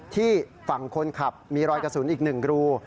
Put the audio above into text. ฝั่งคนขับมีรอยกระสุนอีก๑รู